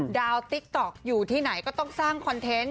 ติ๊กต๊อกอยู่ที่ไหนก็ต้องสร้างคอนเทนต์